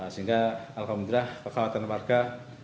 sehingga alhamdulillah kekuatan warga